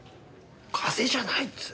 風邪じゃないっつうの。